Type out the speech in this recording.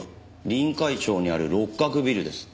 臨海町にある六角ビルです。